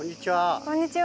こんにちは